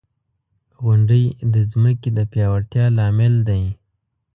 • غونډۍ د ځمکې د پیاوړتیا لامل دی.